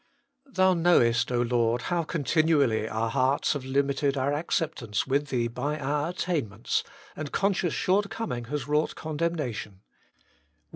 Thou knowest, Lord, how continually our hearts have limited our acceptance with Thee by our attainments, and conscious short coming has wrought condemnation.